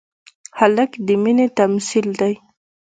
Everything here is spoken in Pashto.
هلک د مینې تمثیل دی.